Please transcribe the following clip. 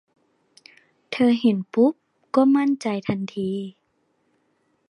เธอเห็นปุ๊บก็มั่นใจทันที